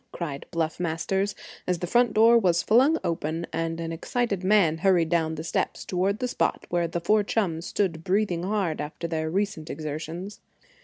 cried Bluff Masters, as the front door was flung open and an excited man hurried down the steps toward the spot where the four chums stood breathing hard after their recent exertions.